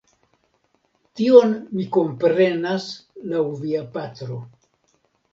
Tion mi komprenas laŭ via patro.